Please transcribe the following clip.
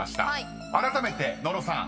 ［あらためて野呂さん